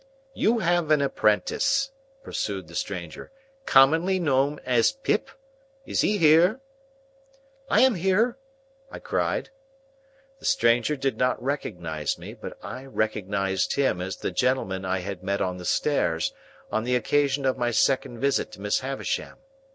"You have an apprentice," pursued the stranger, "commonly known as Pip? Is he here?" "I am here!" I cried. The stranger did not recognise me, but I recognised him as the gentleman I had met on the stairs, on the occasion of my second visit to Miss Havisham.